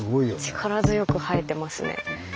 力強く生えてますね。